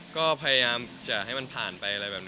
ก็พยายามจะให้มันผ่านไป